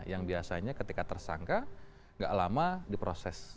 yang biasanya ketika tersangka nggak lama diproses